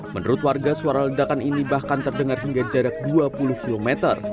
menurut warga suara ledakan ini bahkan terdengar hingga jarak dua puluh km